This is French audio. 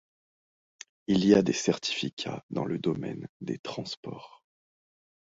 Il a des certificats dans le domaine des transports.